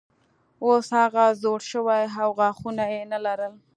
اوس هغه زوړ شوی و او غاښونه یې نه لرل.